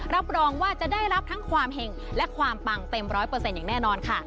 รับรองว่าจะได้รับทั้งความเห็งและความปังเต็มร้อยเปอร์เซ็นอย่างแน่นอนค่ะ